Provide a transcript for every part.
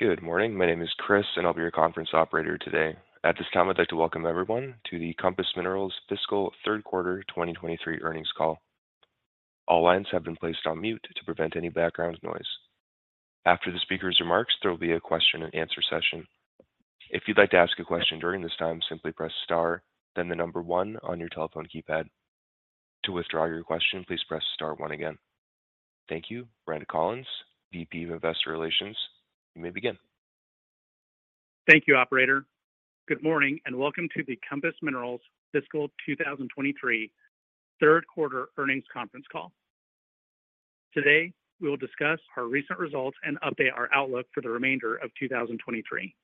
Good morning. My name is Chris, and I'll be your conference operator today. At this time, I'd like to welcome everyone to the Compass Minerals Fiscal Third Quarter 2023 earnings call. All lines have been placed on mute to prevent any background noise. After the speaker's remarks, there will be a question and answer session. If you'd like to ask a question during this time, simply press star, then the number one on your telephone keypad. To withdraw your question, please press star one again. Thank you, Brent Collins, VP of Investor Relations. You may begin. Thank you, operator. Good morning, welcome to the Compass Minerals Fiscal 2023 third quarter earnings conference call. Today, we will discuss our recent results and update our outlook for the remainder of 2023.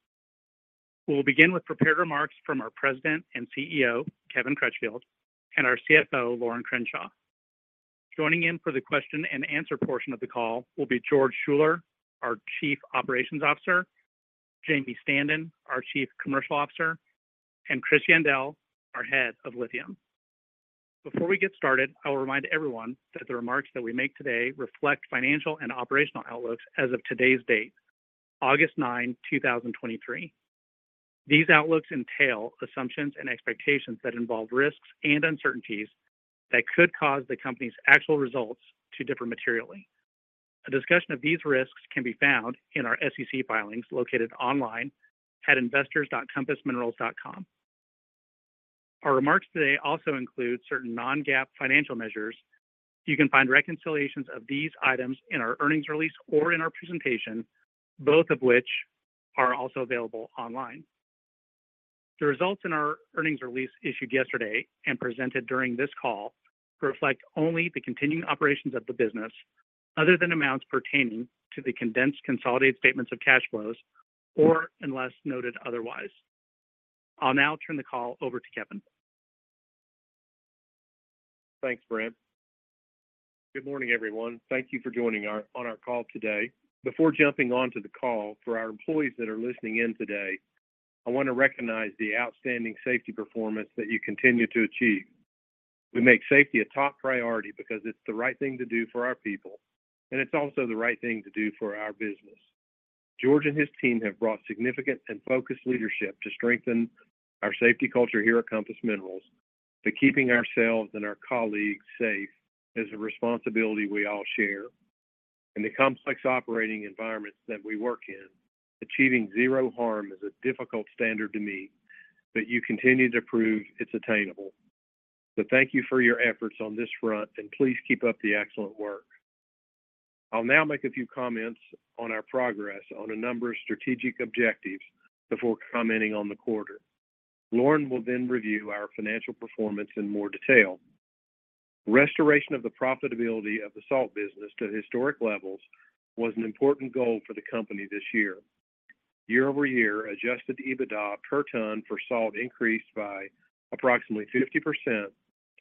We will begin with prepared remarks from our President and CEO, Kevin Crutchfield, and our CFO, Lorin Crenshaw. Joining in for the question and answer portion of the call will be George Schuller, our Chief Operations Officer, Jamie Standen, our Chief Commercial Officer, and Chris Yandell, our Head of Lithium. Before we get started, I will remind everyone that the remarks that we make today reflect financial and operational outlooks as of today's date, August 9, 2023. These outlooks entail assumptions and expectations that involve risks and uncertainties that could cause the company's actual results to differ materially. A discussion of these risks can be found in our SEC filings located online at investors.compassminerals.com. Our remarks today also include certain non-GAAP financial measures. You can find reconciliations of these items in our earnings release or in our presentation, both of which are also available online. The results in our earnings release issued yesterday and presented during this call reflect only the continuing operations of the business, other than amounts pertaining to the condensed consolidated statements of cash flows, or unless noted otherwise. I'll now turn the call over to Kevin. Thanks, Brent. Good morning, everyone. Thank you for joining on our call today. Before jumping onto the call, for our employees that are listening in today, I want to recognize the outstanding safety performance that you continue to achieve. We make safety a top priority because it's the right thing to do for our people, and it's also the right thing to do for our business. George and his team have brought significant and focused leadership to strengthen our safety culture here at Compass Minerals, but keeping ourselves and our colleagues safe is a responsibility we all share. In the complex operating environments that we work in, achieving zero harm is a difficult standard to meet, but you continue to prove it's attainable. Thank you for your efforts on this front, and please keep up the excellent work. I'll now make a few comments on our progress on a number of strategic objectives before commenting on the quarter. Lorin will review our financial performance in more detail. Restoration of the profitability of the salt business to historic levels was an important goal for the company this year. Year-over-year, Adjusted EBITDA per ton for salt increased by approximately 50%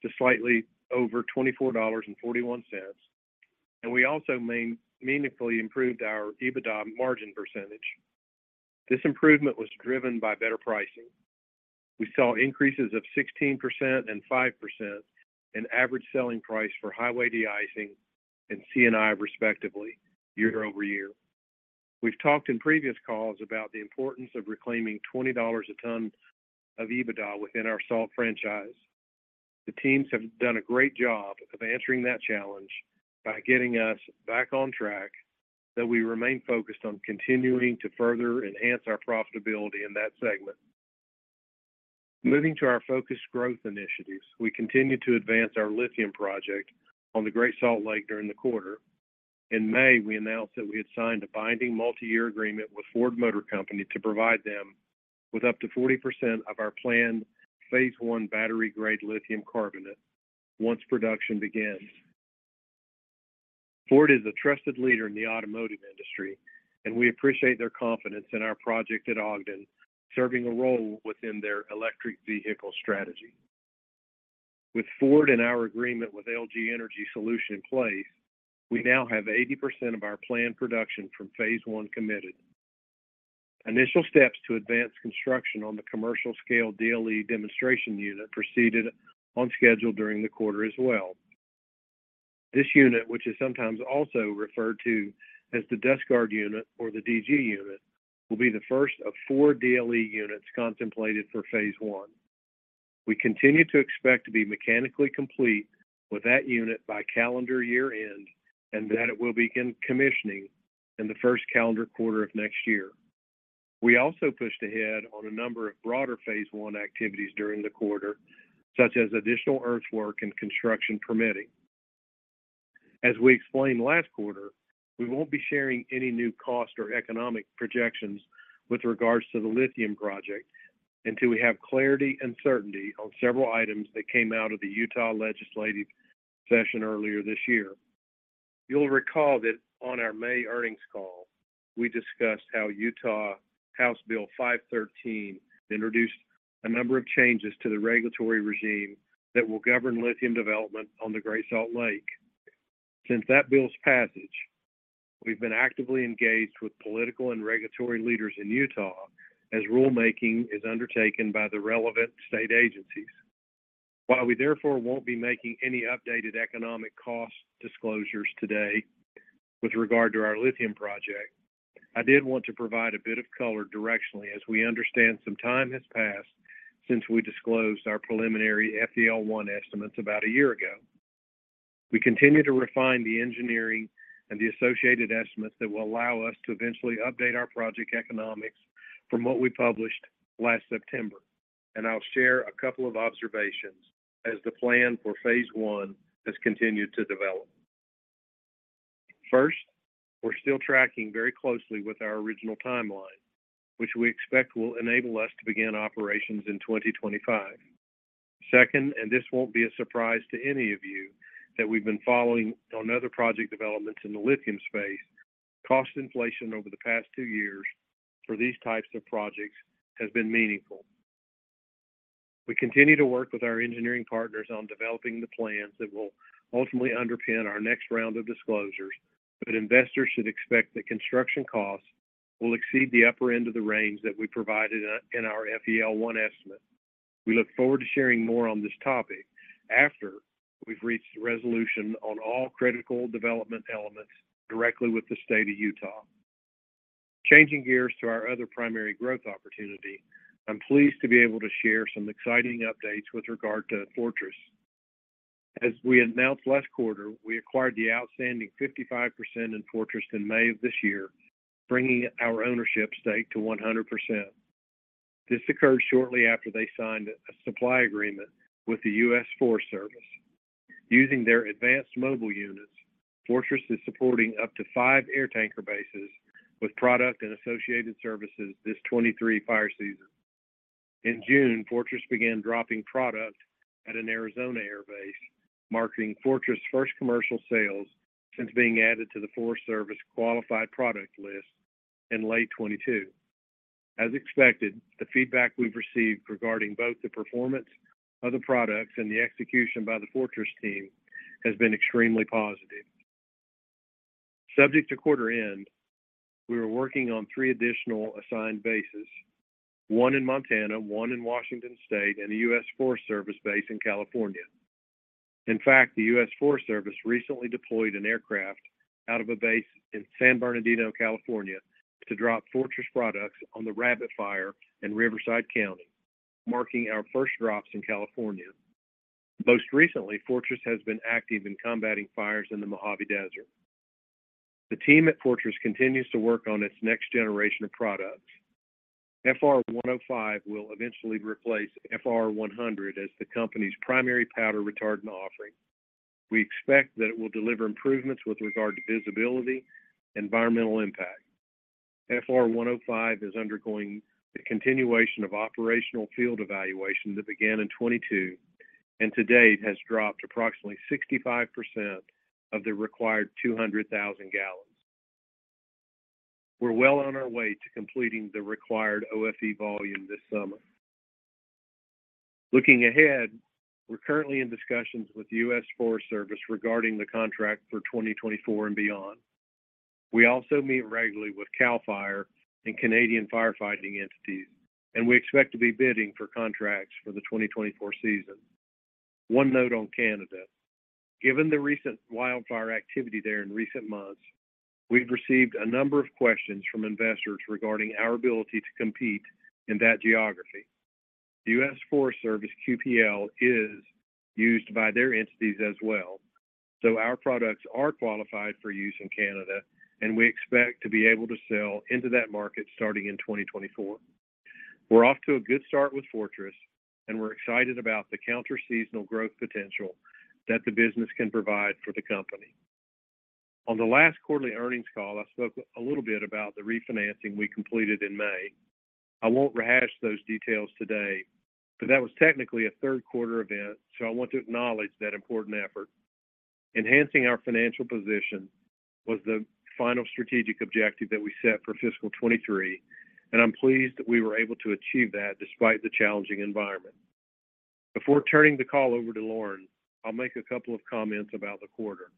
to slightly over $24.41, and we also meaningfully improved our EBITDA margin percentage. This improvement was driven by better pricing. We saw increases of 16% and 5% in average selling price for highway de-icing and C&I respectively, year-over-year. We've talked in previous calls about the importance of reclaiming $20 a ton of EBITDA within our salt franchise. The teams have done a great job of answering that challenge by getting us back on track, that we remain focused on continuing to further enhance our profitability in that segment. Moving to our focused growth initiatives, we continue to advance our lithium project on the Great Salt Lake during the quarter. In May, we announced that we had signed a binding multi-year agreement with Ford Motor Company to provide them with up to 40% of our planned phase I battery-grade lithium carbonate once production begins. Ford is a trusted leader in the automotive industry, and we appreciate their confidence in our project at Ogden, serving a role within their electric vehicle strategy. With Ford and our agreement with LG Energy Solution in place, we now have 80% of our planned production from phase I committed. Initial steps to advance construction on the commercial scale DLE demonstration unit proceeded on schedule during the quarter as well. This unit, which is sometimes also referred to as the DustGard unit or the DG unit, will be the first of four DLE units contemplated for phase I. We continue to expect to be mechanically complete with that unit by calendar year end, and that it will begin commissioning in the first calendar quarter of next year. We also pushed ahead on a number of broader phase I activities during the quarter, such as additional earthwork and construction permitting. As we explained last quarter, we won't be sharing any new cost or economic projections with regards to the lithium project until we have clarity and certainty on several items that came out of the Utah legislative session earlier this year. You'll recall that on our May earnings call, we discussed how Utah House Bill 513 introduced a number of changes to the regulatory regime that will govern lithium development on the Great Salt Lake. Since that bill's passage, we've been actively engaged with political and regulatory leaders in Utah as rulemaking is undertaken by the relevant state agencies. While we therefore won't be making any updated economic cost disclosures today with regard to our lithium project, I did want to provide a bit of color directionally, as we understand some time has passed since we disclosed our preliminary FEL-1 estimates about a year ago. We continue to refine the engineering and the associated estimates that will allow us to eventually update our project economics from what we published last September, and I'll share a couple of observations as the plan for phase I has continued to develop. First, we're still tracking very closely with our original timeline, which we expect will enable us to begin operations in 2025. Second, this won't be a surprise to any of you, that we've been following on other project developments in the lithium space. Cost inflation over the past two years for these types of projects has been meaningful. We continue to work with our engineering partners on developing the plans that will ultimately underpin our next round of disclosures, but investors should expect that construction costs will exceed the upper end of the range that we provided in our FEL-1 estimate. We look forward to sharing more on this topic after we've reached resolution on all critical development elements directly with the state of Utah. Changing gears to our other primary growth opportunity, I'm pleased to be able to share some exciting updates with regard to Fortress. As we announced last quarter, we acquired the outstanding 55% in Fortress in May of this year, bringing our ownership stake to 100%. This occurred shortly after they signed a supply agreement with the U.S. Forest Service. Using their advanced mobile units, Fortress is supporting up to five air tanker bases with product and associated services this 2023 fire season. In June, Fortress began dropping product at an Arizona air base, marking Fortress' first commercial sales since being added to the Forest Service qualified product list in late 2022. As expected, the feedback we've received regarding both the performance of the products and the execution by the Fortress team has been extremely positive. Subject to quarter end, we are working on three additional assigned bases, one in Montana, one in Washington State, and a U.S. Forest Service base in California. In fact, the U.S. Forest Service recently deployed an aircraft out of a base in San Bernardino, California, to drop Fortress products on the Rabbit Fire in Riverside County, marking our first drops in California. Most recently, Fortress has been active in combating fires in the Mojave Desert. The team at Fortress continues to work on its next generation of products. FR-105 will eventually replace FR-100 as the company's primary powder retardant offering. We expect that it will deliver improvements with regard to visibility, environmental impact. FR-105 is undergoing the continuation of operational field evaluation that began in 2022, and to date, has dropped approximately 65% of the required 200,000 gallons. We're well on our way to completing the required OFE volume this summer. Looking ahead, we're currently in discussions with the U.S. Forest Service regarding the contract for 2024 and beyond. We also meet regularly with CAL FIRE and Canadian firefighting entities. We expect to be bidding for contracts for the 2024 season. One note on Canada: Given the recent wildfire activity there in recent months, we've received a number of questions from investors regarding our ability to compete in that geography. The U.S. Forest Service QPL is used by their entities as well. Our products are qualified for use in Canada. We expect to be able to sell into that market starting in 2024. We're off to a good start with Fortress. We're excited about the counter seasonal growth potential that the business can provide for the company. On the last quarterly earnings call, I spoke a little bit about the refinancing we completed in May. I won't rehash those details today, that was technically a third quarter event, I want to acknowledge that important effort. Enhancing our financial position was the final strategic objective that we set for fiscal 2023, I'm pleased that we were able to achieve that despite the challenging environment. Before turning the call over to Lorin, I'll make a couple of comments about the quarter.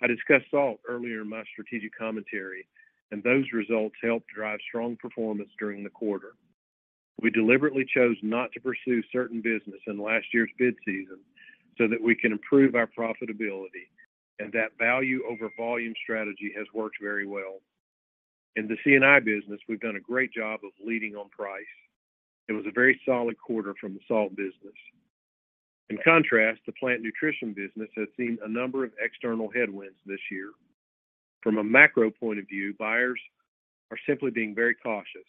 I discussed salt earlier in my strategic commentary, those results helped drive strong performance during the quarter. We deliberately chose not to pursue certain business in last year's bid season so that we can improve our profitability, that value over volume strategy has worked very well. In the C&I business, we've done a great job of leading on price. It was a very solid quarter from the salt business. In contrast, the plant nutrition business has seen a number of external headwinds this year. From a macro point of view, buyers are simply being very cautious.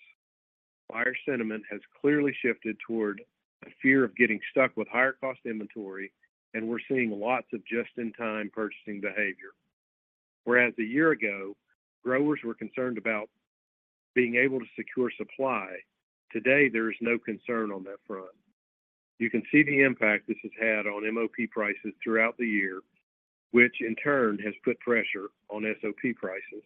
Buyer sentiment has clearly shifted toward a fear of getting stuck with higher cost inventory, and we're seeing lots of just-in-time purchasing behavior. Whereas a year ago, growers were concerned about being able to secure supply, today, there is no concern on that front. You can see the impact this has had on MOP prices throughout the year, which in turn has put pressure on SOP prices.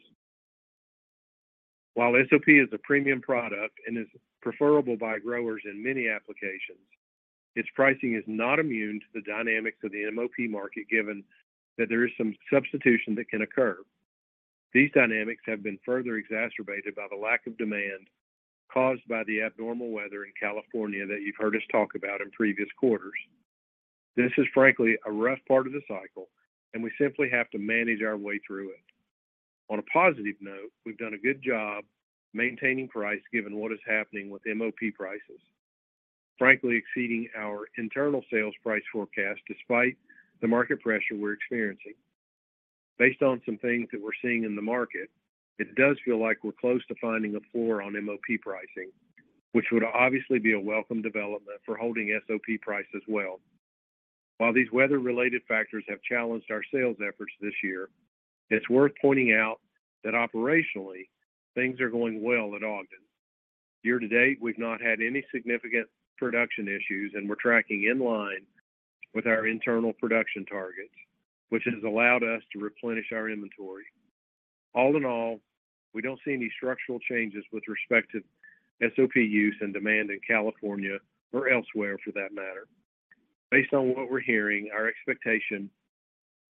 While SOP is a premium product and is preferable by growers in many applications, its pricing is not immune to the dynamics of the MOP market, given that there is some substitution that can occur.... These dynamics have been further exacerbated by the lack of demand caused by the abnormal weather in California that you've heard us talk about in previous quarters. This is frankly, a rough part of the cycle, and we simply have to manage our way through it. On a positive note, we've done a good job maintaining price given what is happening with MOP prices. Frankly, exceeding our internal sales price forecast despite the market pressure we're experiencing. Based on some things that we're seeing in the market, it does feel like we're close to finding a floor on MOP pricing, which would obviously be a welcome development for holding SOP price as well. While these weather-related factors have challenged our sales efforts this year, it's worth pointing out that operationally, things are going well at Ogden. Year-to-date, we've not had any significant production issues, and we're tracking in line with our internal production targets, which has allowed us to replenish our inventory. All in all, we don't see any structural changes with respect to SOP use and demand in California or elsewhere, for that matter. Based on what we're hearing, our expectation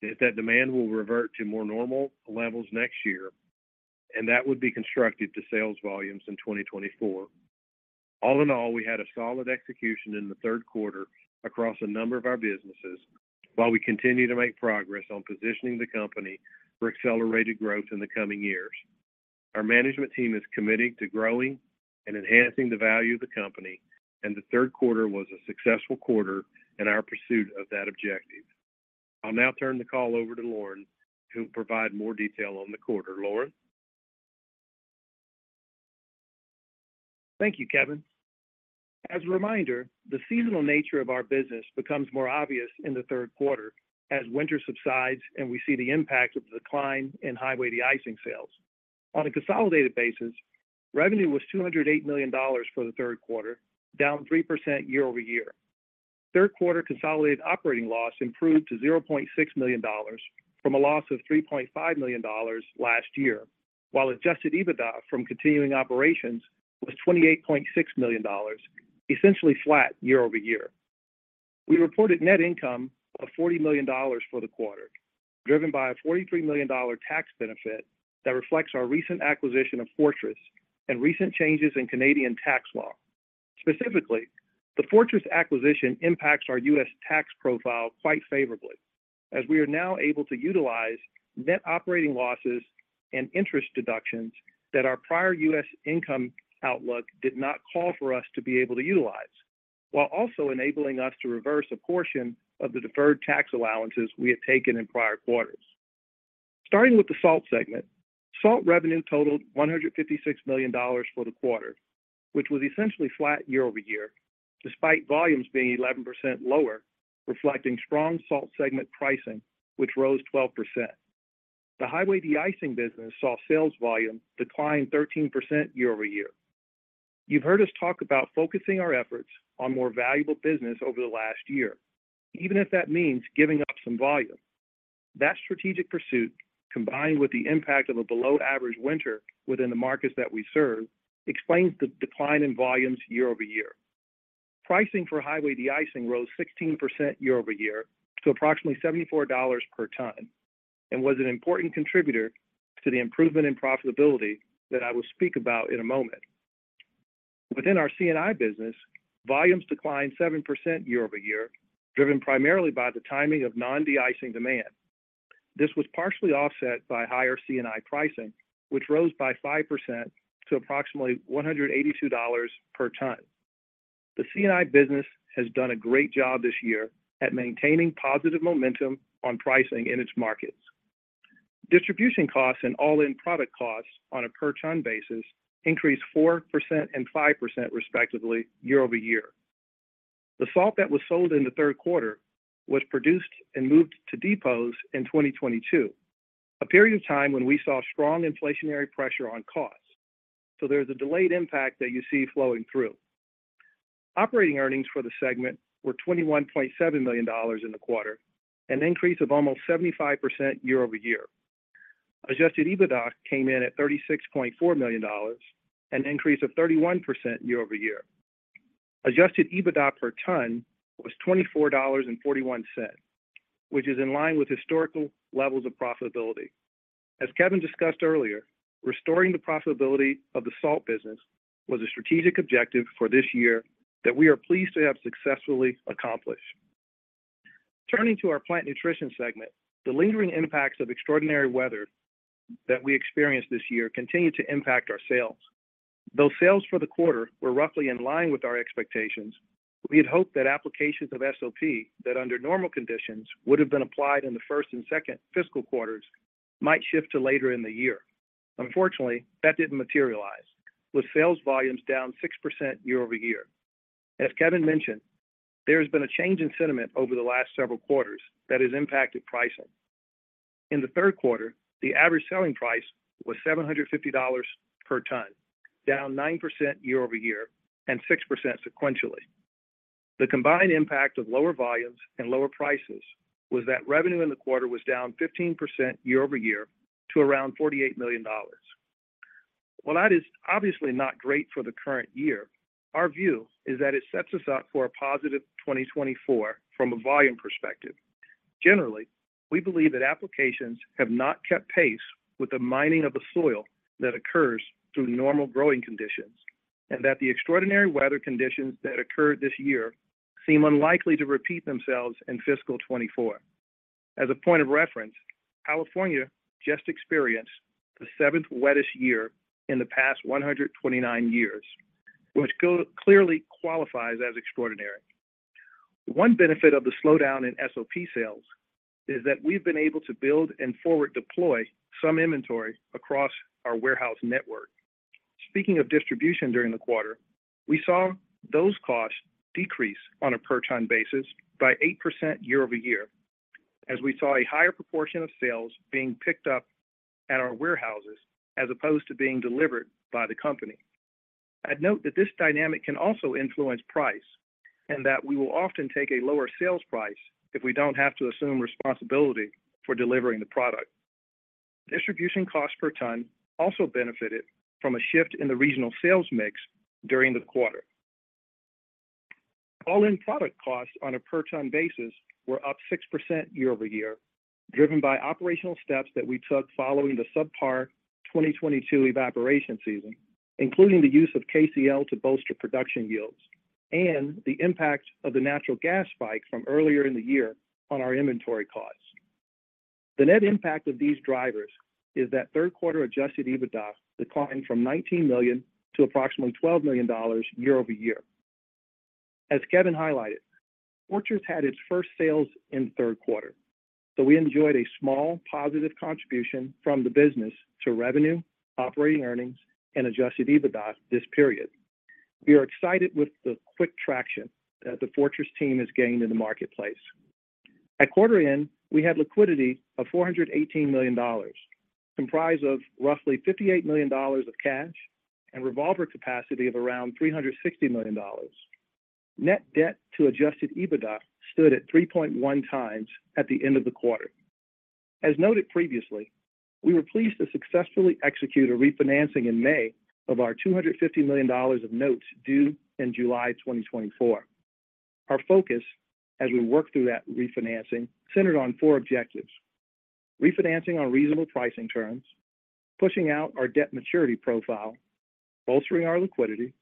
is that demand will revert to more normal levels next year. That would be constructive to sales volumes in 2024. All in all, we had a solid execution in the third quarter across a number of our businesses, while we continue to make progress on positioning the company for accelerated growth in the coming years. Our management team is committed to growing and enhancing the value of the company. The third quarter was a successful quarter in our pursuit of that objective. I'll now turn the call over to Lorin to provide more detail on the quarter. Lorin? Thank you, Kevin. As a reminder, the seasonal nature of our business becomes more obvious in the third quarter as winter subsides and we see the impact of the decline in highway de-icing sales. On a consolidated basis, revenue was $208 million for the third quarter, down 3% year-over-year. Third quarter consolidated operating loss improved to $0.6 million from a loss of $3.5 million last year, while Adjusted EBITDA from continuing operations was $28.6 million, essentially flat year-over-year. We reported net income of $40 million for the quarter, driven by a $43 million tax benefit that reflects our recent acquisition of Fortress and recent changes in Canadian tax law. Specifically, the Fortress acquisition impacts our U.S. tax profile quite favorably, as we are now able to utilize net operating losses and interest deductions that our prior U.S. income outlook did not call for us to be able to utilize, while also enabling us to reverse a portion of the deferred tax allowances we had taken in prior quarters. starting with the salt segment, salt revenue totaled $156 million for the quarter, which was essentially flat year-over-year, despite volumes being 11% lower, reflecting strong salt segment pricing, which rose 12%. The highway de-icing business saw sales volume decline 13% year-over-year. You've heard us talk about focusing our efforts on more valuable business over the last year, even if that means giving up some volume. That strategic pursuit, combined with the impact of a below-average winter within the markets that we serve, explains the decline in volumes year over year. Pricing for highway de-icing rose 16% year over year to approximately $74 per ton, and was an important contributor to the improvement in profitability that I will speak about in a moment. Within our C&I business, volumes declined 7% year over year, driven primarily by the timing of non-de-icing demand. This was partially offset by higher C&I pricing, which rose by 5% to approximately $182 per ton. The C&I business has done a great job this year at maintaining positive momentum on pricing in its markets. Distribution costs and all-in product costs on a per ton basis increased 4% and 5%, respectively, year over year. The salt that was sold in the third quarter was produced and moved to depots in 2022, a period of time when we saw strong inflationary pressure on costs, so there's a delayed impact that you see flowing through. Operating earnings for the segment were $21.7 million in the quarter, an increase of almost 75% year-over-year. Adjusted EBITDA came in at $36.4 million, an increase of 31% year-over-year. Adjusted EBITDA per ton was $24.41, which is in line with historical levels of profitability. As Kevin discussed earlier, restoring the profitability of the salt business was a strategic objective for this year that we are pleased to have successfully accomplished. Turning to our plant nutrition segment, the lingering impacts of extraordinary weather that we experienced this year continued to impact our sales. Though sales for the quarter were roughly in line with our expectations, we had hoped that applications of SOP that under normal conditions would have been applied in the first and second fiscal quarters, might shift to later in the year. Unfortunately, that didn't materialize, with sales volumes down 6% year-over-year. As Kevin mentioned, there has been a change in sentiment over the last several quarters that has impacted pricing. In the third quarter, the average selling price was $750 per ton, down 9% year-over-year and 6% sequentially. The combined impact of lower volumes and lower prices was that revenue in the quarter was down 15% year-over-year to around $48 million. Well, that is obviously not great for the current year. Our view is that it sets us up for a positive 2024 from a volume perspective. Generally, we believe that applications have not kept pace with the mining of the soil that occurs through normal growing conditions, and that the extraordinary weather conditions that occurred this year seem unlikely to repeat themselves in fiscal 2024. As a point of reference, California just experienced the seventh wettest year in the past 129 years, which clearly qualifies as extraordinary. One benefit of the slowdown in SOP sales is that we've been able to build and forward deploy some inventory across our warehouse network. Speaking of distribution during the quarter, we saw those costs decrease on a per ton basis by 8% year-over-year, as we saw a higher proportion of sales being picked up at our warehouses as opposed to being delivered by the company. I'd note that this dynamic can also influence price, and that we will often take a lower sales price if we don't have to assume responsibility for delivering the product. Distribution costs per ton also benefited from a shift in the regional sales mix during the quarter. All-in product costs on a per ton basis were up 6% year-over-year, driven by operational steps that we took following the subpar 2022 evaporation season, including the use of KCl to bolster production yields and the impact of the natural gas spike from earlier in the year on our inventory costs. The net impact of these drivers is that third quarter Adjusted EBITDA declined from $19 million to approximately $12 million year-over-year. As Kevin highlighted, Fortress had its first sales in the third quarter, so we enjoyed a small positive contribution from the business to revenue, operating earnings, and Adjusted EBITDA this period. We are excited with the quick traction that the Fortress team has gained in the marketplace. At quarter end, we had liquidity of $418 million, comprised of roughly $58 million of cash and revolver capacity of around $360 million. Net debt to Adjusted EBITDA stood at 3.1x at the end of the quarter. As noted previously, we were pleased to successfully execute a refinancing in May of our $250 million of notes due in July 2024. Our focus as we worked through that refinancing, centered on four objectives: refinancing on reasonable pricing terms, pushing out our debt maturity profile, bolstering our liquidity,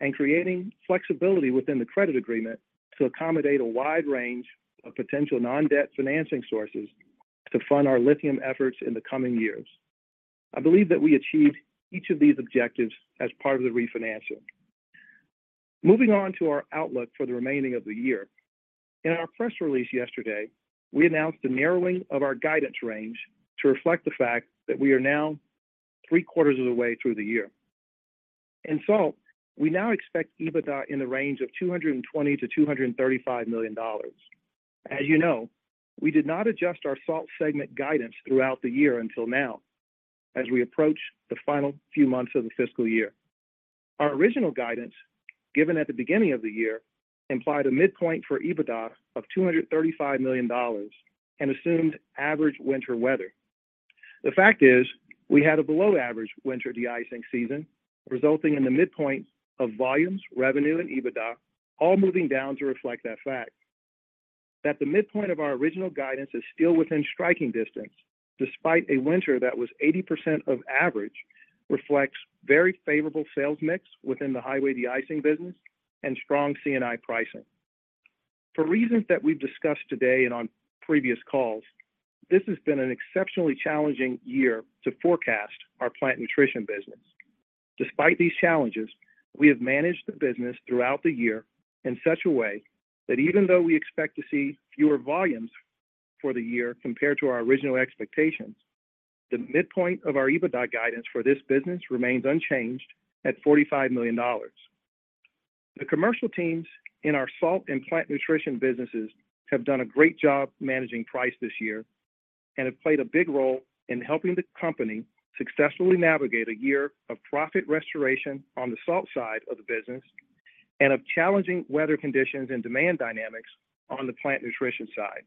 and creating flexibility within the credit agreement to accommodate a wide range of potential non-debt financing sources to fund our lithium efforts in the coming years. I believe that we achieved each of these objectives as part of the refinancing. Moving on to our outlook for the remaining of the year. In our press release yesterday, we announced a narrowing of our guidance range to reflect the fact that we are now three quarters of the way through the year. So we now expect EBITDA in the range of $220 million-$235 million. As you know, we did not adjust our salt segment guidance throughout the year until now, as we approach the final few months of the fiscal year. Our original guidance, given at the beginning of the year, implied a midpoint for EBITDA of $235 million and assumed average winter weather. The fact is, we had a below average winter de-icing season, resulting in the midpoint of volumes, revenue, and EBITDA all moving down to reflect that fact. That the midpoint of our original guidance is still within striking distance, despite a winter that was 80% of average, reflects very favorable sales mix within the highway de-icing business and strong C&I pricing. For reasons that we've discussed today and on previous calls, this has been an exceptionally challenging year to forecast our plant nutrition business. Despite these challenges, we have managed the business throughout the year in such a way that even though we expect to see fewer volumes for the year compared to our original expectations, the midpoint of our EBITDA guidance for this business remains unchanged at $45 million. The commercial teams in our salt and plant nutrition businesses have done a great job managing price this year, and have played a big role in helping the company successfully navigate a year of profit restoration on the salt side of the business and of challenging weather conditions and demand dynamics on the plant nutrition side.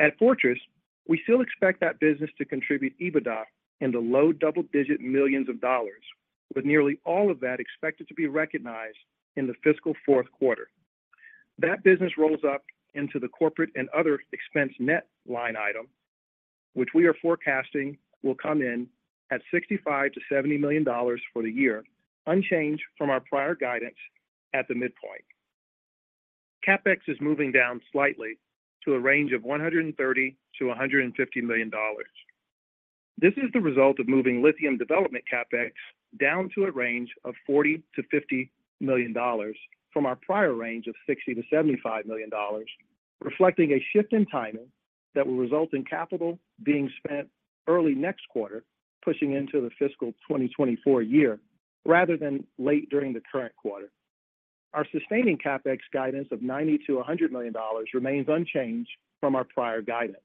At Fortress, we still expect that business to contribute EBITDA in the low double-digit millions of dollars, with nearly all of that expected to be recognized in the fiscal fourth quarter. That business rolls up into the corporate and other expense net line item, which we are forecasting will come in at $65 million-$70 million for the year, unchanged from our prior guidance at the midpoint. CapEx is moving down slightly to a range of $130 million-$150 million. This is the result of moving lithium development CapEx down to a range of $40 million-$50 million from our prior range of $60 million-$75 million, reflecting a shift in timing that will result in capital being spent early next quarter, pushing into the fiscal 2024 year rather than late during the current quarter. Our sustaining CapEx guidance of $90 million-$100 million remains unchanged from our prior guidance.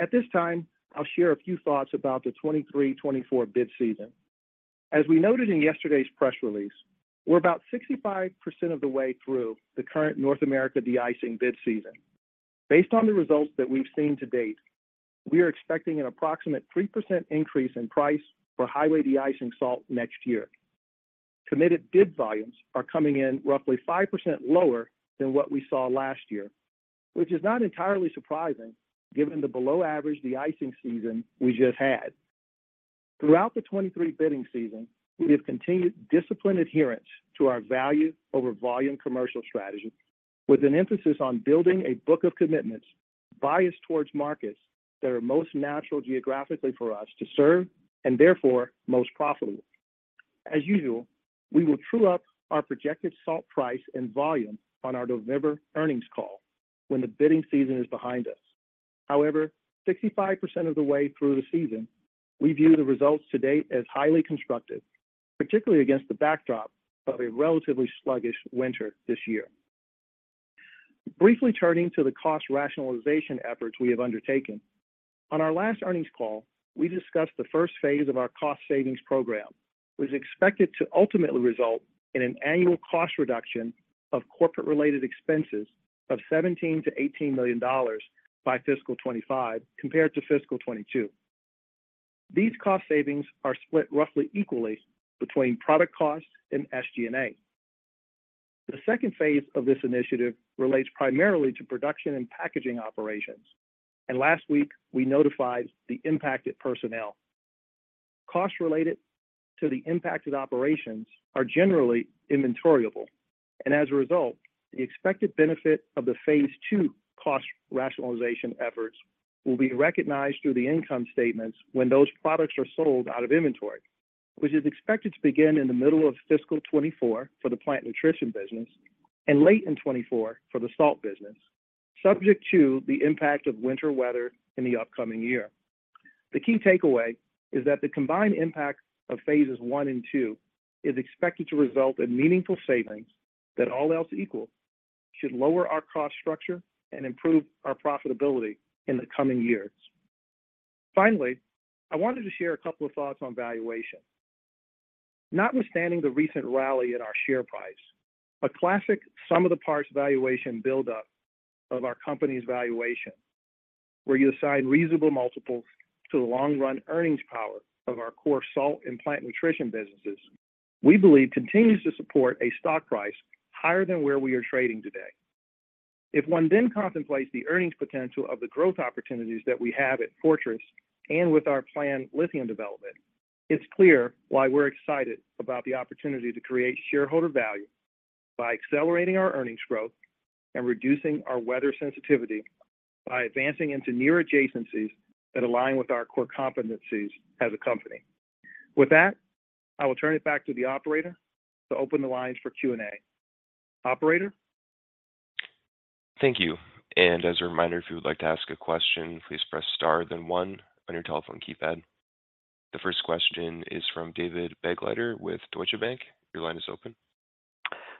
At this time, I'll share a few thoughts about the 2023/2024 bid season. As we noted in yesterday's press release, we're about 65% of the way through the current North America de-icing bid season. Based on the results that we've seen to date, we are expecting an approximate 3% increase in price for highway de-icing salt next year. Committed bid volumes are coming in roughly 5% lower than what we saw last year, which is not entirely surprising, given the below average de-icing season we just had. Throughout the 2023 bidding season, we have continued disciplined adherence to our value over volume commercial strategy, with an emphasis on building a book of commitments biased towards markets that are most natural geographically for us to serve, and therefore, most profitable. As usual, we will true up our projected salt price and volume on our November earnings call when the bidding season is behind us. However, 65% of the way through the season, we view the results to date as highly constructive, particularly against the backdrop of a relatively sluggish winter this year. Briefly turning to the cost rationalization efforts we have undertaken. On our last earnings call, we discussed the first phase of our cost savings program, which is expected to ultimately result in an annual cost reduction of corporate related expenses of $17 million-$18 million by fiscal 2025, compared to fiscal 2022. These cost savings are split roughly equally between product costs and SG&A. The phase II of this initiative relates primarily to production and packaging operations, and last week we notified the impacted personnel. Costs related to the impacted operations are generally inventoriable. As a result, the expected benefit of the phase II cost rationalization efforts will be recognized through the income statements when those products are sold out of inventory, which is expected to begin in the middle of fiscal 2024 for the plant nutrition business and late in 2024 for the salt business, subject to the impact of winter weather in the upcoming year. The key takeaway is that the combined impact of phases I and II is expected to result in meaningful savings that, all else equal, should lower our cost structure and improve our profitability in the coming years. Finally, I wanted to share a couple of thoughts on valuation. Notwithstanding the recent rally in our share price, a classic sum of the parts valuation buildup of our company's valuation, where you assign reasonable multiples to the long-run earnings power of our core salt and plant nutrition businesses, we believe continues to support a stock price higher than where we are trading today. If one then contemplates the earnings potential of the growth opportunities that we have at Fortress and with our planned lithium development, it's clear why we're excited about the opportunity to create shareholder value by accelerating our earnings growth and reducing our weather sensitivity by advancing into near adjacencies that align with our core competencies as a company. With that, I will turn it back to the operator to open the lines for Q&A. Operator? Thank you. As a reminder, if you would like to ask a question, please press star, then one on your telephone keypad. The first question is from David Begleiter with Deutsche Bank. Your line is open.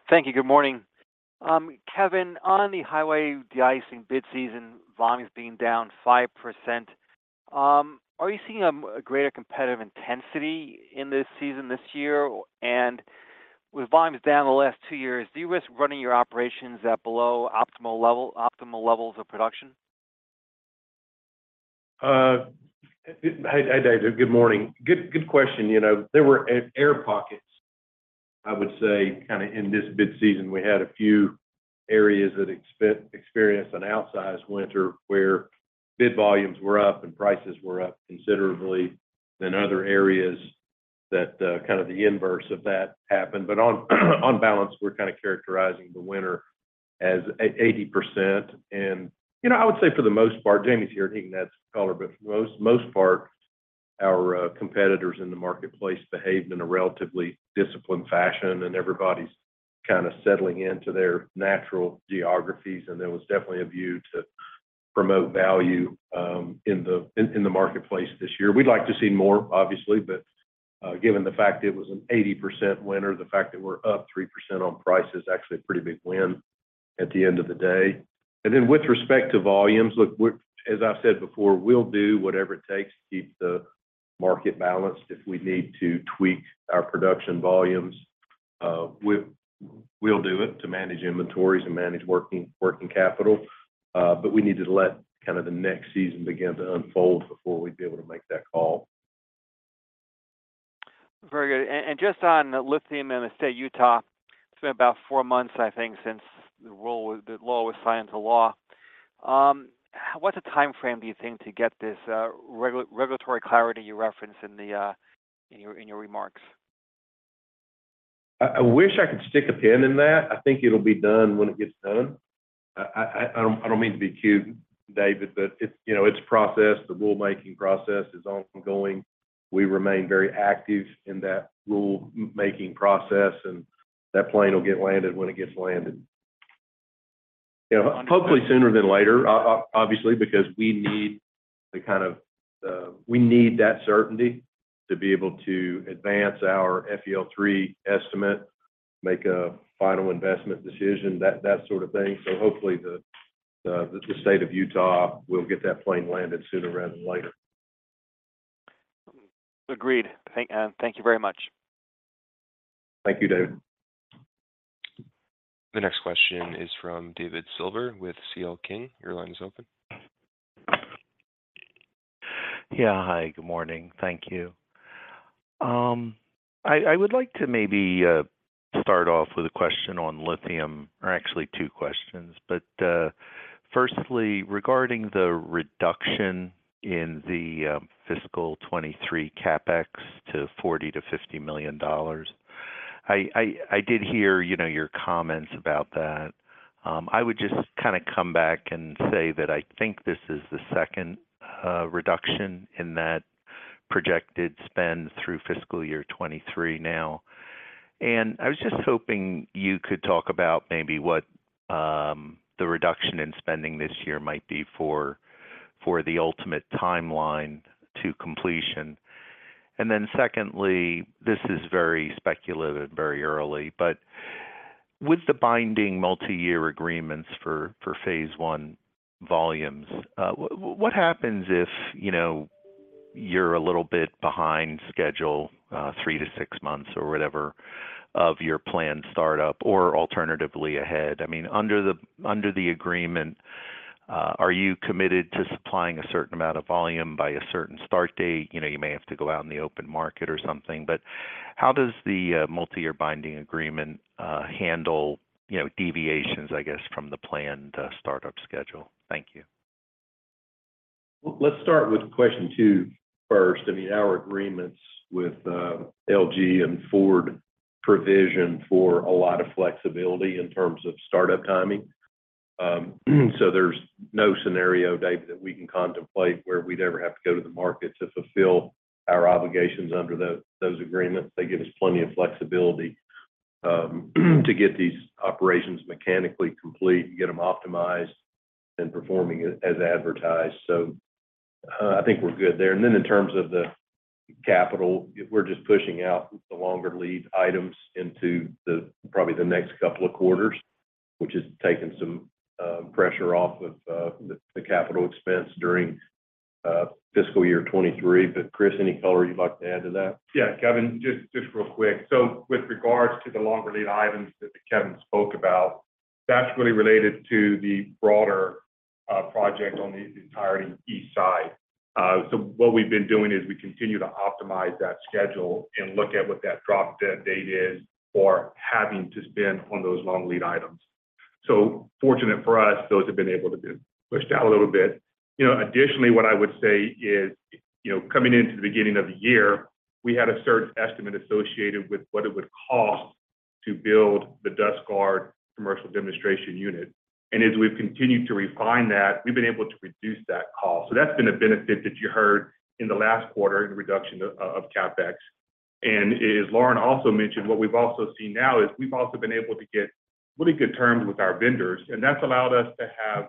Thank you. Good morning. Kevin, on the highway de-icing bid season, volume is being down 5%. Are you seeing a, a greater competitive intensity in this season this year? With volumes down the last two years, do you risk running your operations at below optimal level, optimal levels of production? Hi, hi, David. Good morning. Good, good question. You know, there were air, air pockets, I would say, kind of in this bid season. We had a few areas that experienced an outsized winter, where bid volumes were up and prices were up considerably than other areas that, kind of the inverse of that happened. On, on balance, we're kind of characterizing the winter as 80%. You know, I would say for the most part, Jamie's here and he can add some color, but for the most part, our competitors in the marketplace behaved in a relatively disciplined fashion, and everybody's kind of settling into their natural geographies. There was definitely a view to promote value in the marketplace this year. We'd like to see more, obviously, but given the fact that it was an 80% winter, the fact that we're up 3% on price is actually a pretty big win at the end of the day. Then with respect to volumes, look, as I've said before, we'll do whatever it takes to keep the market balanced. If we need to tweak our production volumes, we'll do it to manage inventories and manage working capital. We need to let kinda the next season begin to unfold before we'd be able to make that call. Very good. Just on lithium in the state of Utah, it's been about four months, I think, since the rule, the law was signed into law. What's the timeframe, do you think, to get this regulatory clarity you referenced in your remarks? I, I wish I could stick a pin in that. I think it'll be done when it gets done. I don't mean to be cute, David, but it's, you know, it's a process. The rulemaking process is ongoing. We remain very active in that rulemaking process, and that plane will get landed when it gets landed. You know, hopefully sooner than later, obviously, because we need the kind of... We need that certainty to be able to advance our FEL3 estimate, make a final investment decision, that, that sort of thing. Hopefully, the state of Utah will get that plane landed sooner rather than later. Agreed. Thank, thank you very much. Thank you, David. The next question is from David Silver with CL King. Your line is open. Yeah. Hi, good morning. Thank you. I, I would like to maybe start off with a question on lithium, or actually two questions. Firstly, regarding the reduction in the fiscal 2023 CapEx to $40 million-$50 million, I, I, I did hear, you know, your comments about that. I would just kind of come back and say that I think this is the second reduction in that projected spend through fiscal year 2023 now. I was just hoping you could talk about maybe what the reduction in spending this year might be for, for the ultimate timeline to completion. Then secondly, this is very speculative, very early, but with the binding multi-year agreements for, for phase I volumes, what happens if, you know, you're a little bit behind schedule, three to six months or whatever, of your planned startup, or alternatively ahead? I mean, under the, under the agreement, are you committed to supplying a certain amount of volume by a certain start date? You know, you may have to go out in the open market or something, but how does the multi-year binding agreement handle, you know, deviations, I guess, from the planned startup schedule? Thank you. Well, let's start with question two first. I mean, our agreements with LG and Ford provision for a lot of flexibility in terms of startup timing. There's no scenario, David, that we can contemplate where we'd ever have to go to the market to fulfill our obligations under those agreements. They give us plenty of flexibility to get these operations mechanically complete, get them optimized and performing as advertised. I think we're good there. In terms of the capital, we're just pushing out the longer lead items into the, probably the next couple of quarters, which has taken some pressure off of the capital expense during fiscal year 2023. Chris, any color you'd like to add to that? Yeah, Kevin, just, just real quick. With regards to the longer lead items that Kevin spoke about, that's really related to the broader project on the entirety east side. What we've been doing is we continue to optimize that schedule and look at what that drop-dead date is for having to spend on those long lead items. Fortunate for us, those have been able to be pushed out a little bit. You know, additionally, what I would say is, you know, coming into the beginning of the year, we had a certain estimate associated with what it would cost to build the DustGard commercial demonstration unit. As we've continued to refine that, we've been able to reduce that cost. That's been a benefit that you heard in the last quarter, in reduction of CapEx. As Lorin also mentioned, what we've also seen now is we've also been able to get really good terms with our vendors, and that's allowed us to have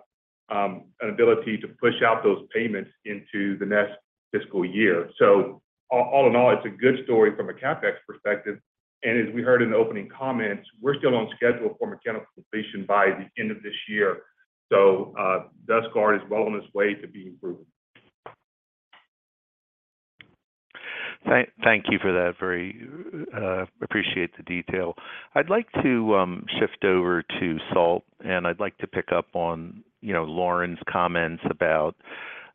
an ability to push out those payments into the next fiscal year. All in all, it's a good story from a CapEx perspective, and as we heard in the opening comments, we're still on schedule for mechanical completion by the end of this year. DustGard is well on its way to being proven. Thank, thank you for that. Very, appreciate the detail. I'd like to, shift over to salt, and I'd like to pick up on, you know, Lorin's comments about,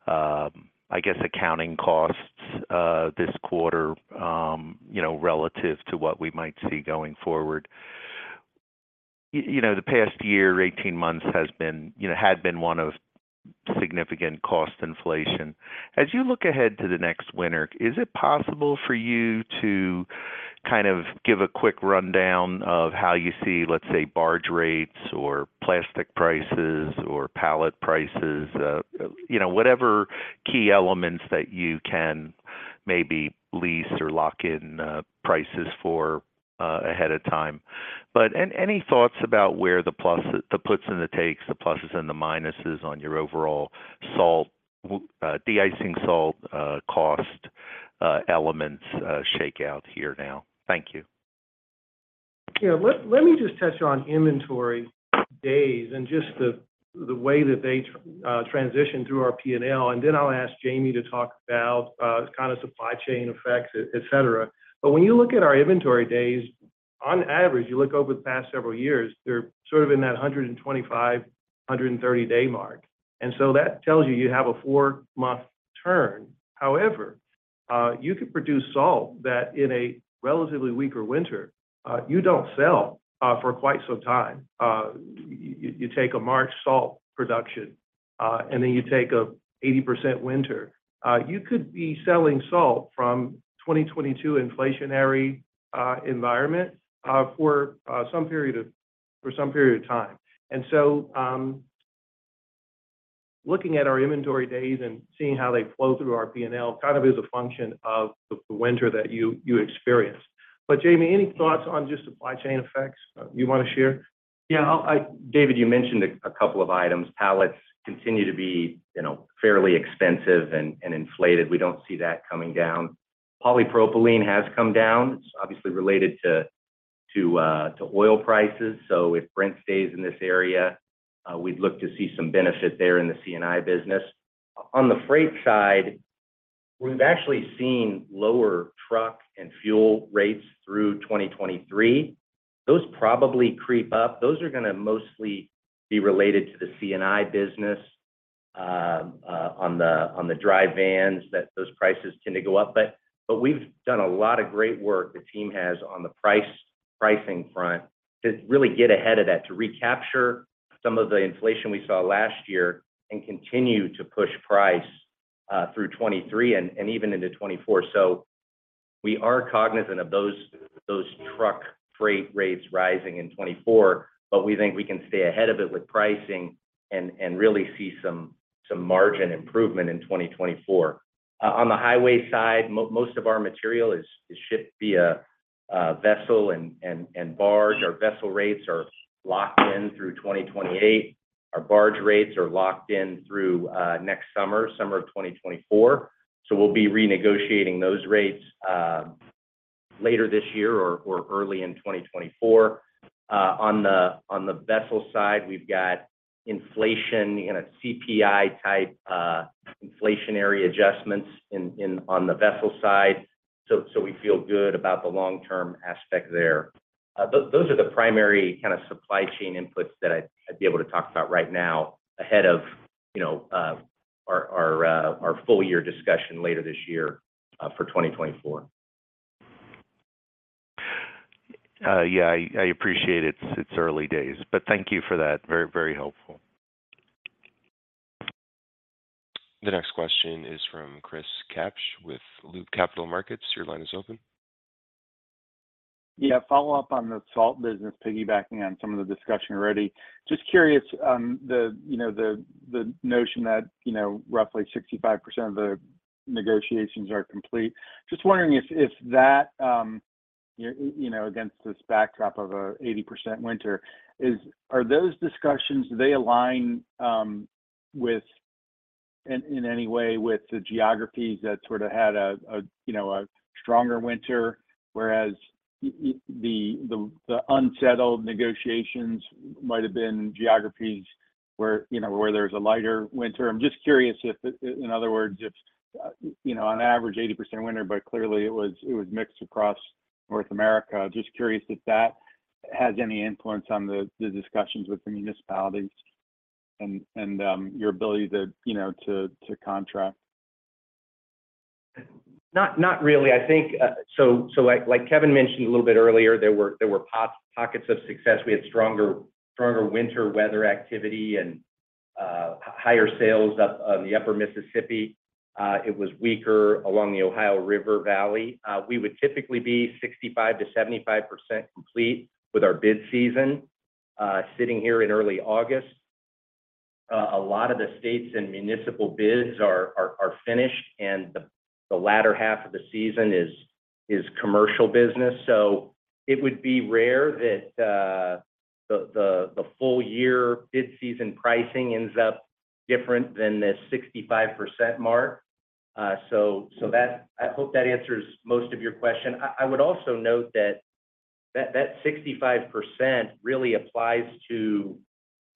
I guess, accounting costs, this quarter, you know, relative to what we might see going forward. You know, the past year, 18 months, has been, you know, had been one of significant cost inflation. As you look ahead to the next winter, is it possible for you to kind of give a quick rundown of how you see, let's say, barge rates or plastic prices or pallet prices? You know, whatever key elements that you can maybe lease or lock in, prices for, ahead of time. Any thoughts about where the pluses, the puts and the takes, the pluses and the minuses on your overall salt, de-icing salt, cost, elements, shake out here now? Thank you. Yeah. Let, let me just touch on inventory days and just the, the way that they transition through our P&L. Then I'll ask Jamie to talk about kind of supply chain effects, et cetera. When you look at our inventory days, on average, you look over the past several years, they're sort of in that 125, 130 day mark. So that tells you you have a four-month turn. However, you could produce salt that in a relatively weaker winter, you don't sell for quite some time. You take a March salt production, then you take a 80% winter, you could be selling salt from 2022 inflationary environment, for some period of, for some period of time. So, looking at our inventory days and seeing how they flow through our P&L, kind of is a function of the winter that you, you experience. Jamie, any thoughts on just supply chain effects you want to share? Yeah. David, you mentioned a couple of items. Pallets continue to be, you know, fairly expensive and inflated. We don't see that coming down. Polypropylene has come down. It's obviously related to-... to oil prices. If Brent stays in this area, we'd look to see some benefit there in the C&I business. On the freight side, we've actually seen lower truck and fuel rates through 2023. Those probably creep up. Those are gonna mostly be related to the C&I business, on the, on the dry vans, that those prices tend to go up. We've done a lot of great work, the team has, on the pricing front to really get ahead of that, to recapture some of the inflation we saw last year and continue to push price through 2023 and, and even into 2024. We are cognizant of those, those truck freight rates rising in 2024, but we think we can stay ahead of it with pricing and, and really see some, some margin improvement in 2024. On the highway side, most of our material is shipped via vessel and barge. Our vessel rates are locked in through 2028. Our barge rates are locked in through next summer, summer of 2024. We'll be renegotiating those rates later this year or early in 2024. On the vessel side, we've got inflation in a CPI-type inflationary adjustments on the vessel side, we feel good about the long-term aspect there. Those are the primary kind of supply chain inputs that I'd be able to talk about right now, ahead of, you know, our full year discussion later this year for 2024. Yeah, I, I appreciate it. It's early days, but thank you for that. Very, very helpful. The next question is from Chris Kapsch with Loop Capital Markets. Your line is open. Yeah, follow up on the salt business, piggybacking on some of the discussion already. Just curious, the, you know, the, the notion that, you know, roughly 65% of the negotiations are complete. Just wondering if, if that, you know, against this backdrop of a 80% winter? Are those discussions, do they align with, in, in any way with the geographies that sort of had a, you know, a stronger winter, whereas the, the unsettled negotiations might have been geographies where, you know, where there's a lighter winter? I'm just curious if, in other words, if, you know, on average, 80% winter, but clearly it was, it was mixed across North America. Just curious if that has any influence on the, the discussions with the municipalities and, and, your ability to, you know, to, to contract. Not, not really. I think, so, so like, like Kevin mentioned a little bit earlier, there were, there were pockets of success. We had stronger, stronger winter weather activity and, higher sales up on the Upper Mississippi. It was weaker along the Ohio River Valley. We would typically be 65%-75% complete with our bid season. Sitting here in early August, a lot of the states and municipal bids are, are, are finished, and the, the latter half of the season is, is commercial business. So it would be rare that, the, the, the full year bid season pricing ends up different than the 65% mark. So, so that I hope that answers most of your question. I, I would also note that, that, that 65% really applies to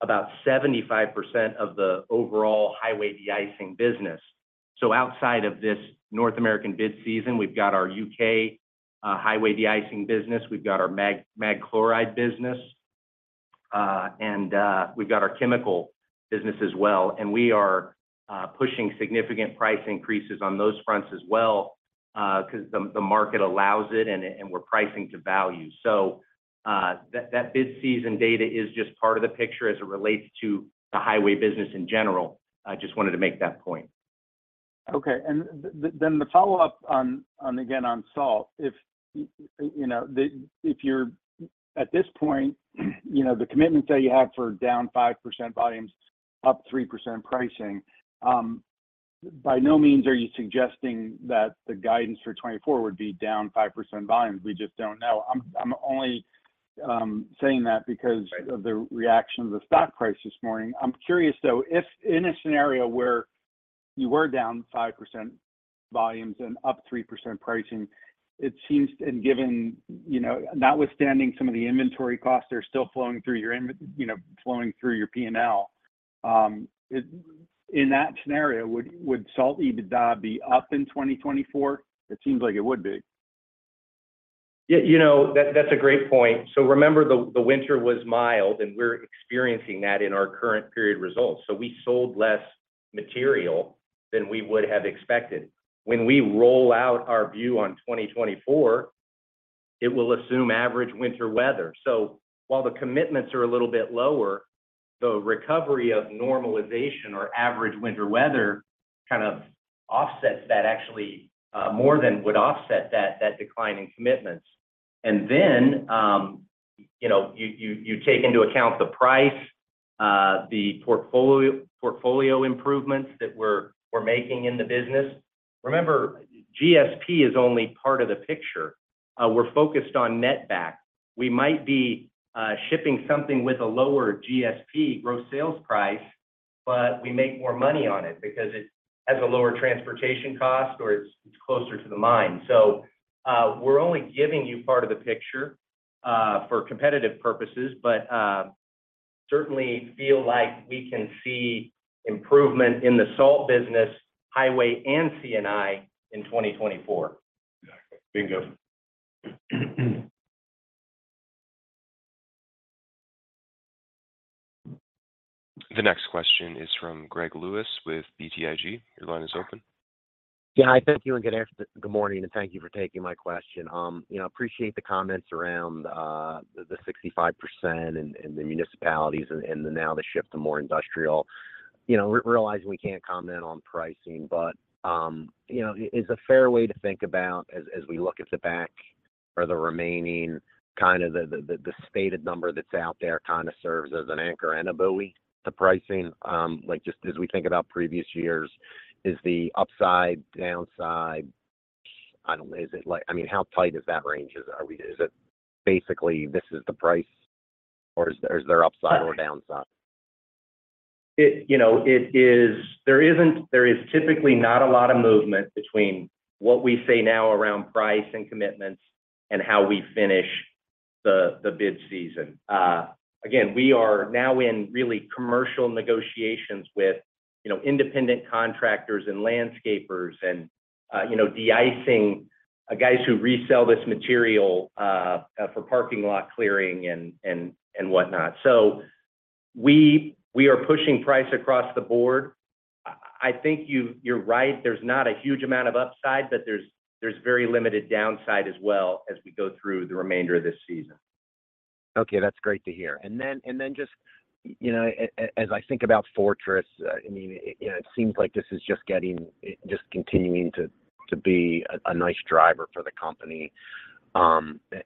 about 75% of the overall highway de-icing business. Outside of this North American bid season, we've got our U.K. highway de-icing business, we've got our magnesium chloride business, and we've got our chemical business as well, and we are pushing significant price increases on those fronts as well, because the market allows it, and we're pricing to value. That, that bid season data is just part of the picture as it relates to the highway business in general. I just wanted to make that point. Okay, then the follow-up on, again, on salt. If, you know, the... If you're, at this point, you know, the commitments that you have for down 5% volumes, up 3% pricing, by no means are you suggesting that the guidance for 2024 would be down 5% volumes? We just don't know. I'm, I'm only saying that because Right of the reaction of the stock price this morning. I'm curious, though, if in a scenario where you were down 5% volumes and up 3% pricing, it seems, and given, you know, notwithstanding some of the inventory costs are still flowing through your you know, flowing through your P&L, it, in that scenario, would salt EBITDA be up in 2024? It seems like it would be. Yeah, you know, that, that's a great point. Remember, the, the winter was mild, and we're experiencing that in our current period results. We sold less material than we would have expected. When we roll out our view on 2024, it will assume average winter weather. While the commitments are a little bit lower, the recovery of normalization or average winter weather kind of offsets that actually, more than would offset that, that decline in commitments. Then, you know, you, you, you take into account the price, the portfolio, portfolio improvements that we're, we're making in the business. Remember, GSP is only part of the picture. We're focused on net back. We might be, shipping something with a lower GSP, gross sales price-... We make more money on it because it has a lower transportation cost, or it's, it's closer to the mine. We're only giving you part of the picture, for competitive purposes, but, certainly feel like we can see improvement in the salt business, highway, and C&I in 2024. Exactly. Bingo. The next question is from Greg Lewis with BTIG. Your line is open. Yeah, hi. Thank you, and good after-- good morning, and thank you for taking my question. You know, appreciate the comments around the, the 65% and, and the municipalities and, and now the shift to more industrial. You know, realizing we can't comment on pricing. You know, is a fair way to think about as, as we look at the back or the remaining, kind of the, the, the stated number that's out there kind of serves as an anchor and a buoy. The pricing, like, just as we think about previous years, is the upside, downside, I don't know. Is it like? I mean, how tight is that range? Is it basically this is the price, or is there, is there upside or downside? It, you know, it is. There is typically not a lot of movement between what we say now around price and commitments and how we finish the bid season. Again, we are now in really commercial negotiations with, you know, independent contractors and landscapers and, you know, de-icing guys who resell this material for parking lot clearing and whatnot. We are pushing price across the board. I think you're right. There's not a huge amount of upside, but there's very limited downside as well as we go through the remainder of this season. Okay, that's great to hear. And then just, you know, as I think about Fortress, I mean, you know, it seems like this is just getting, just continuing to, to be a, a nice driver for the company.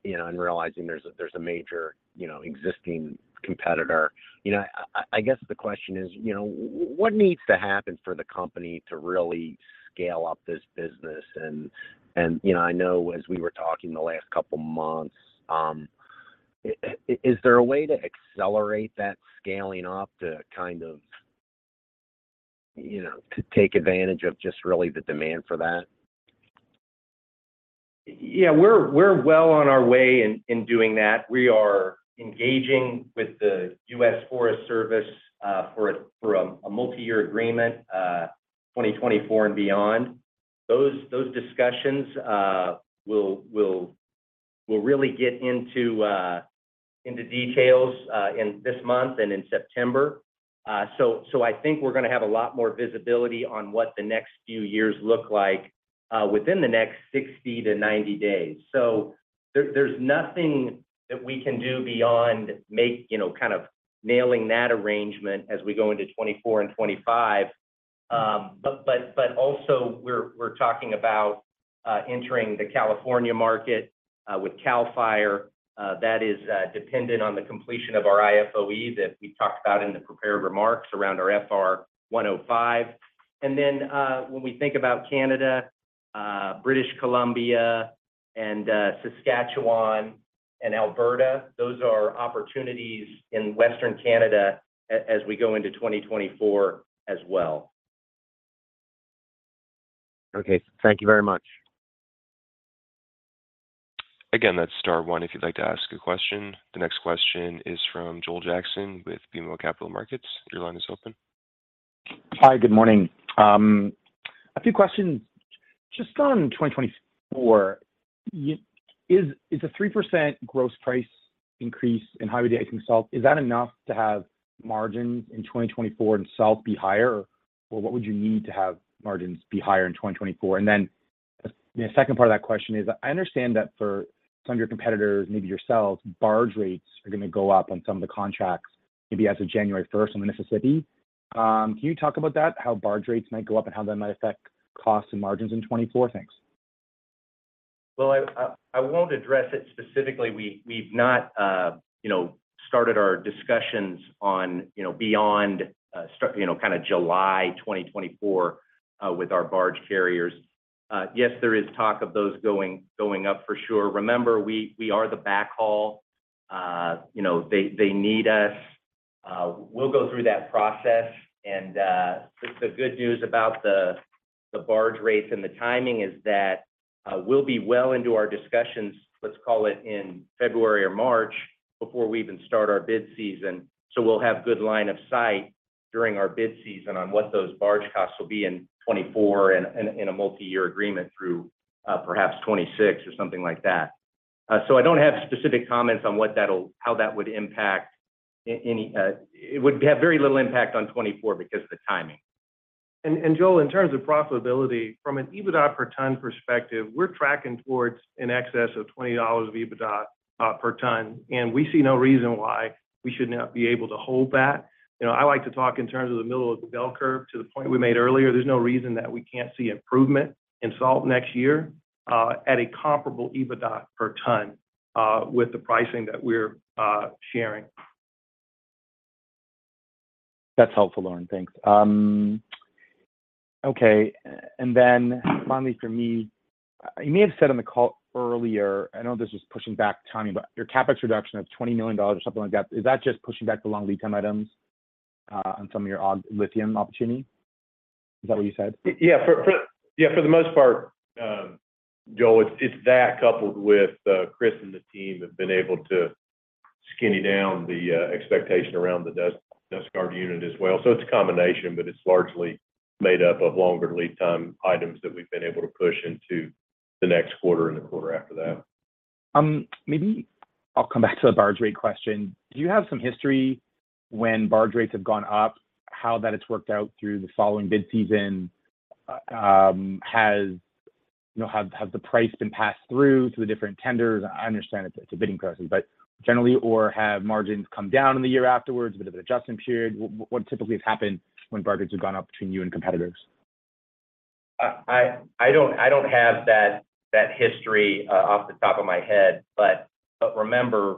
You know, and realizing there's a, there's a major, you know, existing competitor. You know, I, I guess the question is, you know, what needs to happen for the company to really scale up this business? And, you know, I know as we were talking the last couple months, is there a way to accelerate that scaling up to kind of, you know, to take advantage of just really the demand for that? Yeah, we're well on our way in, in doing that. We are engaging with the U.S. Forest Service for a, for a, a multiyear agreement, 2024 and beyond. Those discussions will really get into details in this month and in September. I think we're gonna have a lot more visibility on what the next few years look like within the next 60-90 days. There's nothing that we can do beyond make, you know, kind of nailing that arrangement as we go into 2024 and 2025. Also we're talking about entering the California market with CAL FIRE. That is dependent on the completion of our I-OFE that we talked about in the prepared remarks around our FR-105. When we think about Canada, British Columbia, and Saskatchewan, and Alberta, those are opportunities in western Canada as we go into 2024 as well. Okay. Thank you very much. Again, that's star one, if you'd like to ask a question. The next question is from Joel Jackson with BMO Capital Markets. Your line is open. Hi, good morning. A few questions. Just on 2024, is a 3% gross price increase in highway de-icing salt, is that enough to have margins in 2024 in salt be higher? Or what would you need to have margins be higher in 2024? The second part of that question is, I understand that for some of your competitors, maybe yourselves, barge rates are going to go up on some of the contracts, maybe as of January 1st on the Mississippi. Can you talk about that, how barge rates might go up and how that might affect costs and margins in 2024? Thanks. Well, I, I, I won't address it specifically. We, we've not, you know, started our discussions on, you know, beyond, you know, kind of July 2024, with our barge carriers. Yes, there is talk of those going, going up for sure. Remember, we, we are the backhaul. You know, they, they need us. We'll go through that process, and the, the good news about the, the barge rates and the timing is that we'll be well into our discussions, let's call it in February or March, before we even start our bid season. We'll have good line of sight during our bid season on what those barge costs will be in 2024 and, and in a multiyear agreement through, perhaps 2026 or something like that. I don't have specific comments on what that'll... how that would impact any. It would have very little impact on 2024 because of the timing. Joel, in terms of profitability, from an EBITDA per ton perspective, we're tracking towards in excess of $20 EBITDA per ton, and we see no reason why we should not be able to hold that. You know, I like to talk in terms of the middle of the bell curve, to the point we made earlier. There's no reason that we can't see improvement in salt next year, at a comparable EBITDA per ton, with the pricing that we're sharing. That's helpful, Lorin. Thanks. Okay, then finally, for me, you may have said on the call earlier, I know this is pushing back timing, but your CapEx reduction of $20 million or something like that, is that just pushing back the long lead time items, on some of your lithium opportunity? Is that what you said? Yeah, for the most part, Joel, it's, it's that coupled with Chris and the team have been able to skinny down the expectation around the DustGard unit as well. It's a combination, but it's largely made up of longer lead time items that we've been able to push into the next quarter and the quarter after that. Maybe I'll come back to the barge rate question. Do you have some history when barge rates have gone up, how that it's worked out through the following bid season? You know, have the price been passed through to the different tenders? I understand it's, it's a bidding process, but generally, or have margins come down in the year afterwards, a bit of an adjustment period. What typically has happened when barges have gone up between you and competitors? I, I, I don't, I don't have that, that history off the top of my head. Remember,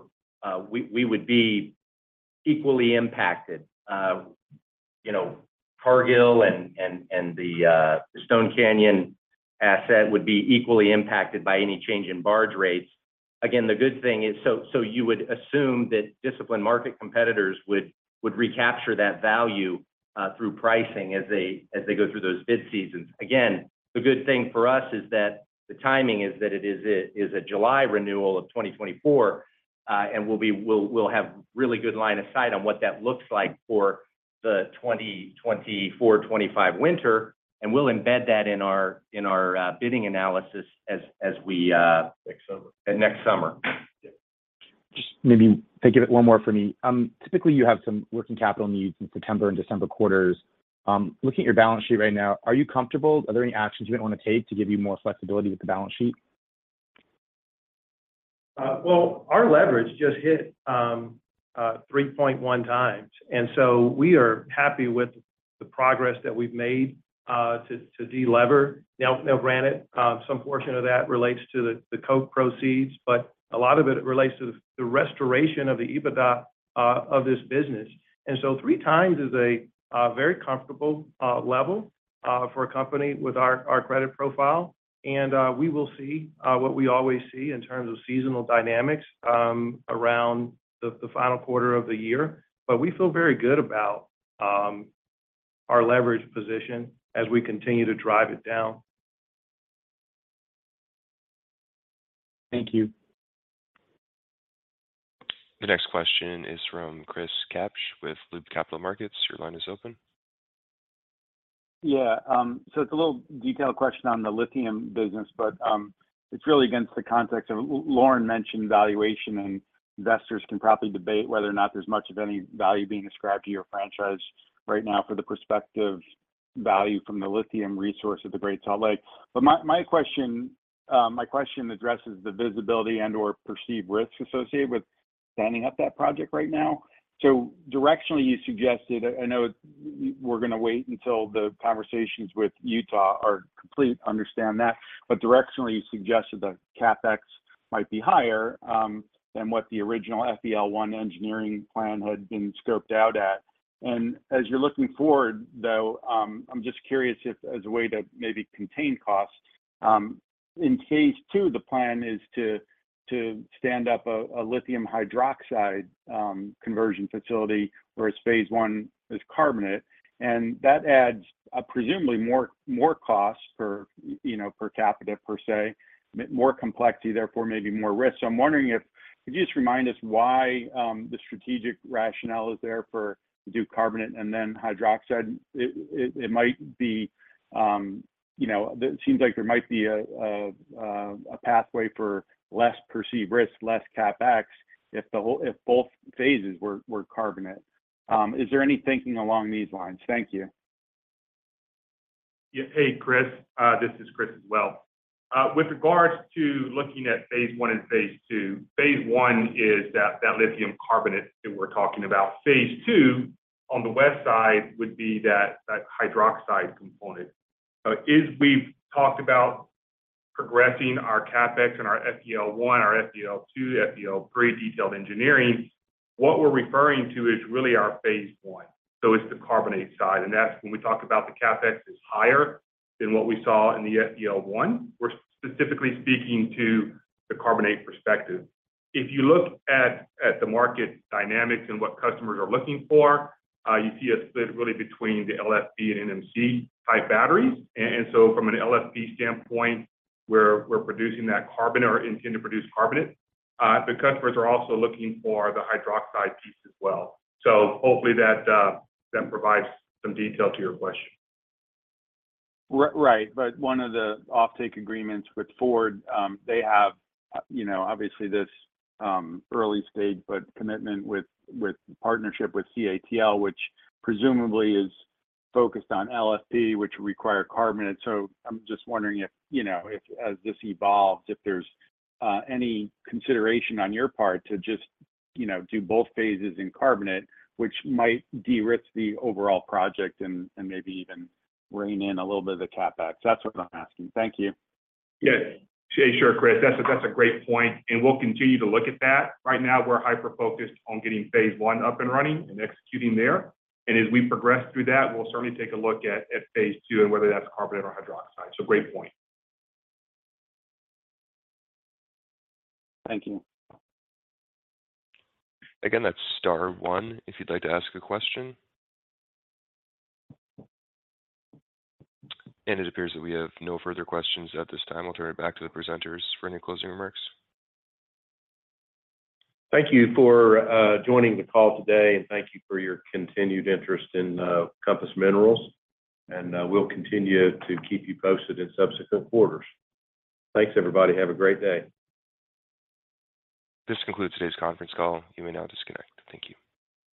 we, we would be equally impacted. You know, Cargill and, and, and the, the Stone Canyon asset would be equally impacted by any change in barge rates. Again, the good thing is. You would assume that disciplined market competitors would, would recapture that value through pricing as they, as they go through those bid seasons. Again, the good thing for us is that the timing is that it is a, is a July renewal of 2024, and we'll, we'll have really good line of sight on what that looks like for the 2024-2025 winter, and we'll embed that in our, in our bidding analysis as, as we. Next summer. Next summer. Yeah. Just maybe to give it one more for me. Typically, you have some working capital needs in September and December quarters. Looking at your balance sheet right now, are you comfortable? Are there any actions you might want to take to give you more flexibility with the balance sheet? Well, our leverage just hit 3.1x, we are happy with the progress that we've made to delever. Granted, some portion of that relates to the Koch proceeds, a lot of it relates to the restoration of the EBITDA of this business. So 3x is a very comfortable level for a company with our credit profile. We will see what we always see in terms of seasonal dynamics around the final quarter of the year. We feel very good about our leverage position as we continue to drive it down. Thank you. The next question is from Chris Kapsch with Loop Capital Markets. Your line is open. Yeah, so it's a little detailed question on the lithium business, but it's really against the context of Lorin mentioned valuation, and investors can probably debate whether or not there's much of any value being ascribed to your franchise right now for the perspective value from the lithium resource at the Great Salt Lake. My, my question, my question addresses the visibility and/or perceived risks associated with standing up that project right now. Directionally, you suggested, I know we're going to wait until the conversations with Utah are complete, understand that. Directionally, you suggested the CapEx might be higher than what the original FEL-1 engineering plan had been scoped out at. As you're looking forward, though, I'm just curious if, as a way to maybe contain costs, in phase II, the plan is to stand up a lithium hydroxide conversion facility, whereas phase I is carbonate. That adds, presumably more, more cost for, you know, per capita, per se, more complexity, therefore maybe more risk. I'm wondering if, could you just remind us why, the strategic rationale is there for to do carbonate and then hydroxide? It, it, it might be, you know... It seems like there might be a, a, a pathway for less perceived risk, less CapEx, if the whole- if both phases were, were carbonate. Is there any thinking along these lines? Thank you. Yeah. Hey, Chris, this is Chris as well. With regards to looking at phase I and phase II, phase I is that, that lithium carbonate that we're talking about phase II, on the west side, would be that, that hydroxide component. As we've talked about progressing our CapEx and our FEL-1, our FEL-2, FEL pre-detailed engineering, what we're referring to is really our phase I. It's the carbonate side, and that's when we talk about the CapEx is higher than what we saw in the FEL-1, we're specifically speaking to the carbonate perspective. If you look at, at the market dynamics and what customers are looking for, you see a split really between the LFP and NMC-type batteries. From an LFP standpoint, we're, we're producing that carbonate, or intend to produce carbonate. The customers are also looking for the hydroxide piece as well. Hopefully that provides some detail to your question. Right. One of the offtake agreements with Ford, they have, you know, obviously this early stage, but commitment with partnership with CATL, which presumably is focused on LFP, which require carbonate. I'm just wondering if, you know, if as this evolves, if there's any consideration on your part to just, you know, do both phases in carbonate, which might de-risk the overall project and maybe even rein in a little bit of the CapEx. That's what I'm asking. Thank you. Yes. Sure, Chris. That's a great point, and we'll continue to look at that. Right now, we're hyper-focused on getting phase I up and running and executing there. As we progress through that, we'll certainly take a look at phase II and whether that's carbonate or hydroxide. Great point. Thank you. Again, that's star one if you'd like to ask a question. It appears that we have no further questions at this time. I'll turn it back to the presenters for any closing remarks. Thank you for joining the call today. Thank you for your continued interest in Compass Minerals. We'll continue to keep you posted in subsequent quarters. Thanks, everybody. Have a great day. This concludes today's conference call. You may now disconnect. Thank you.